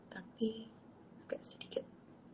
tapi bukan sedikit